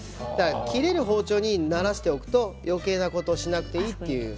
切れる包丁にならせておくとよけいなことはしなくてもいいです。